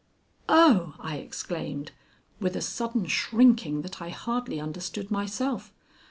"Oh!" I exclaimed, with a sudden shrinking that I hardly understood myself.